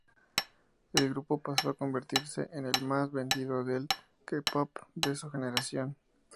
El grupo pasó a convertirse en el más vendido del K-pop de su generación.